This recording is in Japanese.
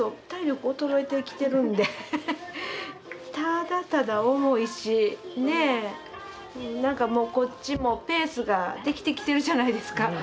体力衰えてきてるんでただただ重いしねえなんかもうこっちもペースができてきてるじゃないですか。